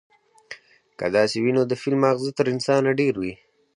که داسې وي، نو د فيل ماغزه تر انسانه ډېر وي،